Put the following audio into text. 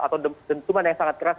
atau dentuman yang sangat keras